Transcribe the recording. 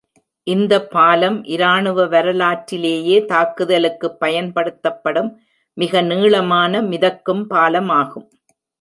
இந்த பாலம், இராணுவ வரலாற்றிலேயே தாக்குதலுக்குப் பயன்படுத்தப்படும் மிக நீளமான மிதக்கும் பாலமாகும்.